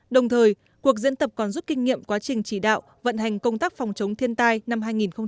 đồng thời cuộc diễn tập còn giúp kinh nghiệm quá trình chỉ đạo vận hành công tác phòng chống thiên tai năm hai nghìn một mươi chín